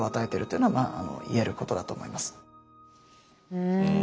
うん。